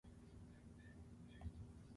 Son of Supadevi too.